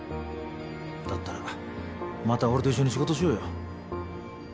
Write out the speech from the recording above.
だったらまた俺と一緒に仕事しようよ。